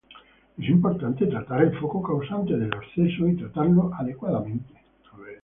Es importante tratar el foco causante del absceso y tratarlo adecuadamente.